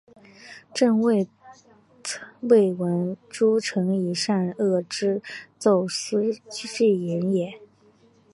朕未闻诸臣以善恶直奏斯断人也！